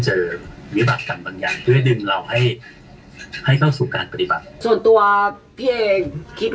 วิบากรรมบางอย่างเพื่อดึงเราให้ให้เข้าสู่การปฏิบัติส่วนตัวพี่เองคิด